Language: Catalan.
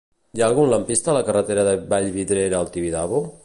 Hi ha algun lampista a la carretera de Vallvidrera al Tibidabo?